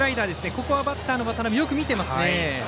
ここはバッターの渡邊、よく見てますね。